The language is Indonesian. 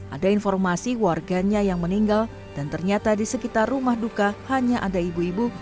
ada informasi warganya yang meninggal dan ternyata di sekitar rumah duka hanya ada ibu ibu